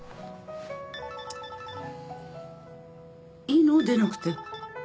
いいの？出なくて。